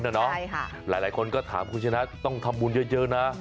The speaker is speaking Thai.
หลายคนก็ถามคุณชนะต้องทำบุญเยอะนะ